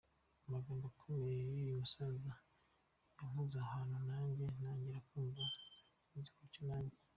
amagambo akomeye yuwo musaza yankoze ahantu nange ntangira kumva nzabigenza gutyo nange.